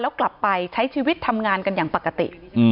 แล้วกลับไปใช้ชีวิตทำงานกันอย่างปกติ